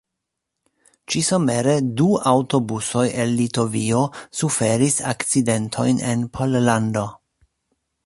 Ĉi-somere du aŭtobusoj el Litovio suferis akcidentojn en Pollando.